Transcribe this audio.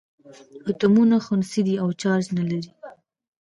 اتومونه خنثي دي او چارج نه لري.